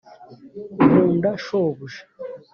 nkunda shobuja.